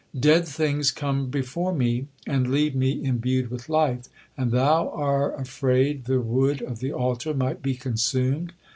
Dead things come before Me, and leave Me imbued with life, and thou are afraid the wood of the altar might be consumed!